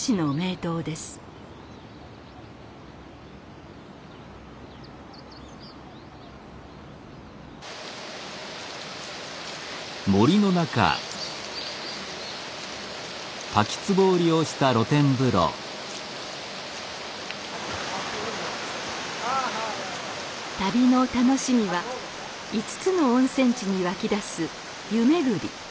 旅の楽しみは５つの温泉地に湧き出す湯巡り。